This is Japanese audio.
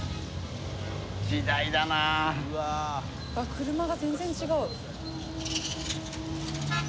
車が全然違う。